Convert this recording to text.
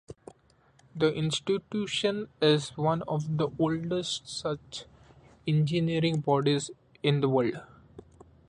The Institution is one of the oldest such engineering bodies in the world.